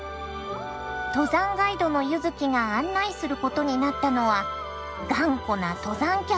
登山ガイドの柚月が案内することになったのは頑固な登山客。